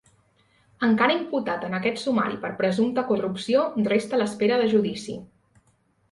Encara imputat en aquest sumari per presumpta corrupció, resta a l'espera de judici.